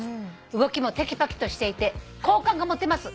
動きもてきぱきとしていて好感が持てます」